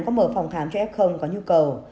có mở phòng khám cho f có nhu cầu